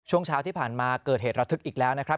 ช่วงเช้าที่ผ่านมาเกิดเหตุระทึกอีกแล้วนะครับ